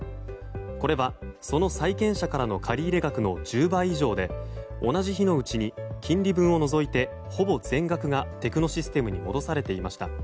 これは、その債権者からの借入額の１０倍以上で同じ日のうちに金利分を除いてほぼ全額がテクノシステムに戻されていました。